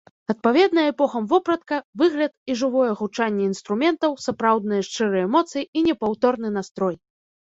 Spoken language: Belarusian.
Адпаведная эпохам вопратка, выгляд і жывое гучанне інструментаў, сапраўдныя шчырыя эмоцыі і непаўторны настрой!